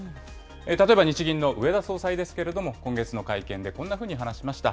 例えば日銀の植田総裁ですけれども、今月の会見でこんなふうに話しました。